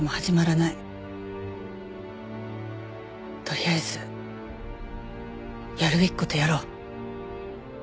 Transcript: とりあえずやるべき事をやろう。